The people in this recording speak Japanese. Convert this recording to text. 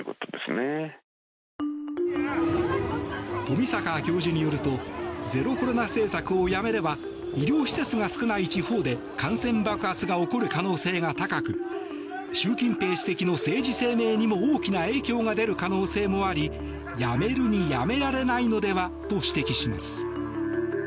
富坂教授によるとゼロコロナ政策をやめれば医療施設が少ない地方で感染爆発が起こる可能性が高く習近平主席の政治生命にも大きな影響が出る可能性もありやめるにやめられないのではと指摘します。